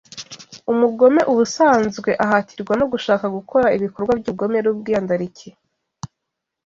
umugome ubusanzwe ahatirwa no gushaka gukora ibikorwa by'ubugome n'ubwiyandarike